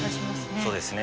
そうですね。